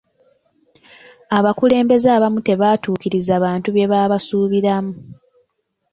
Abakulembeze abamu tebaatuukiriza bantu bye babasuubiramu.